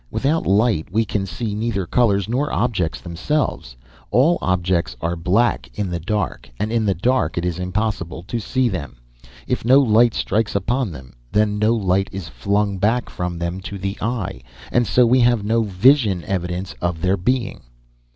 Without light, we can see neither colors nor objects themselves. All objects are black in the dark, and in the dark it is impossible to see them. If no light strikes upon them, then no light is flung back from them to the eye, and so we have no vision evidence of their being."